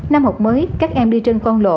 năm học mới các em đi trên con lộ